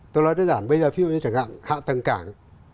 tôi nói đơn giản bây giờ ví dụ như chẳng hạn hạ tầng cảng